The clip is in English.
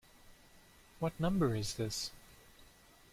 What number is this?